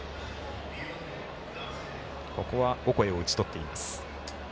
ここはオコエを打ち取っています。